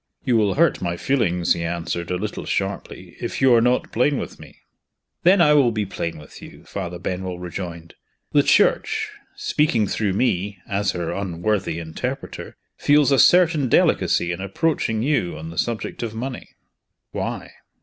"You will hurt my feelings," he answered, a little sharply, "if you are not plain with me." "Then I will be plain with you," Father Benwell rejoined. "The Church speaking through me, as her unworthy interpreter feels a certain delicacy in approaching You on the subject of money." "Why?"